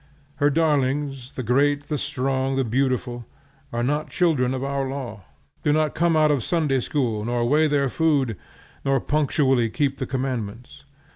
Her darlings, the great, the strong, the beautiful, are not children of our law; do not come out of the Sunday School, nor weigh their food, nor punctually keep the commandments.